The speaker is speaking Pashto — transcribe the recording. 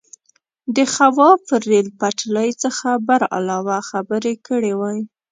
د خواف ریل پټلۍ څخه برعلاوه خبرې کړې وای.